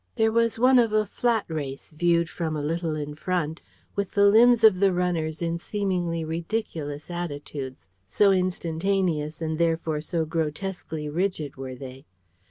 There was one of a flat race, viewed from a little in front, with the limbs of the runners in seemingly ridiculous attitudes, so instantaneous and therefore so grotesquely rigid were they.